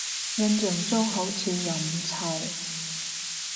印象中好似又唔臭